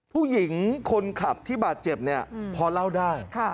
ผู้หญิงคนขับที่บาดเจ็บเนี่ยพอเล่าได้